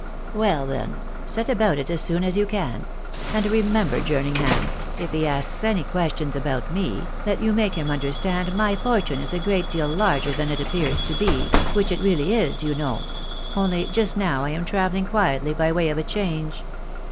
" Well, then, set about it as soon as you can ; and remem ber, Jerningham, if he asks any questions about me, that you make him understand my fortune is a great deal larger than it appears to be, which it really is, you know, — only just now I am travelling quietly by way of a change.